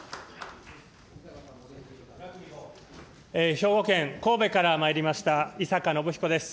兵庫県神戸からまいりました井坂信彦です。